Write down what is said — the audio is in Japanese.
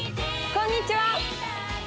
こんにちは！